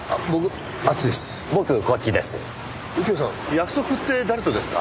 約束って誰とですか？